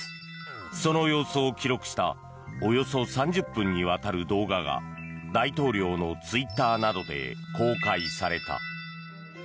その様子を記録したおよそ３０分にわたる動画が大統領のツイッターなどで公開された。